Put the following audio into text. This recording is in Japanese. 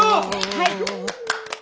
はい。